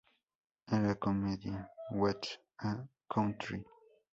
En la comedia "What a Country!